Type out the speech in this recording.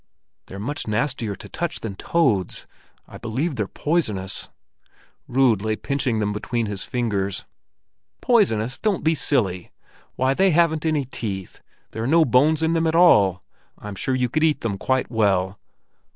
"They're much nastier to touch than toads. I believe they're poisonous." Rud lay pinching them between his fingers. "Poisonous! Don't be silly! Why, they haven't any teeth! There are no bones in them at all; I'm sure you could eat them quite well."